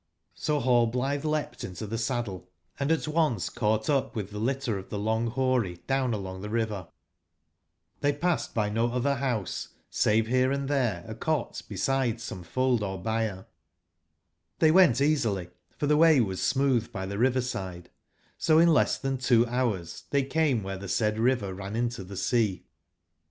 So Hallblitbe leapt into tbe saddled at once C2 51 caught up with tbc Utter of the Long/boary down along the riverXbcy passed by no otber bouse, save berc & tbere a cot beside some fold or byre ; tbey wen t easily, for tbe way was smootb by tbe river/side; so in less tban two bours tbey came wbere tbe said river ran into tbe sea.